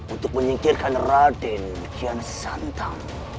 untuk menyingkirkan raden kian santam